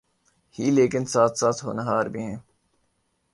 ہی لیکن ساتھ ساتھ ہونہار بھی ہیں۔